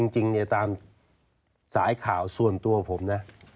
จริงเนี่ยตามสายข่าวส่วนตัวผมนะ